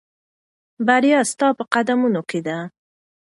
بریا ستا په قدمونو کې ده.